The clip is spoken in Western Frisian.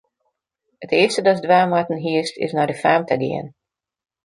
It earste datst dwaan moatten hiest, is nei de faam ta gean.